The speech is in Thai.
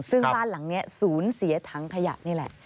ซึ่งบ้านหลังนี้ศูนย์เสียถังขยะนี่แหละ